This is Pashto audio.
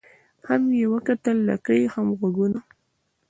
هم یې وکتل لکۍ او هم غوږونه